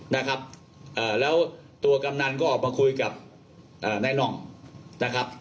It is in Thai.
นะครับเอ่อแล้วตัวกำนันก็ออกมาคุยกับนายน่องนะครับ